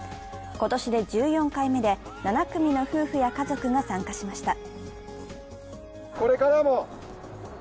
今年で１４回目で７組の夫婦や家族が参加しました。